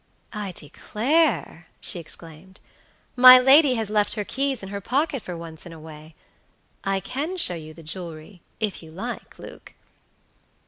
"I declare!" she exclaimed, "my lady has left her keys in her pocket for once in a way; I can show you the jewelry, if you like, Luke."